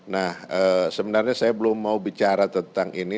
nah sebenarnya saya belum mau bicara tentang ini